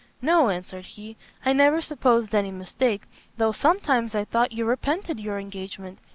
"No," answered he, "I never supposed any mistake, though sometimes I thought you repented your engagement.